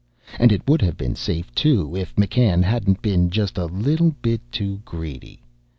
And it would have been safe, too, if McCann hadn't been just a little bit too greedy.